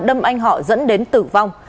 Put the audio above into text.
đâm anh họ dẫn đến tử vong